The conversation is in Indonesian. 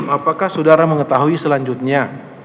apakah saudara mengetahui selanjutnya